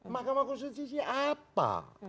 mahkamah konstitusi apa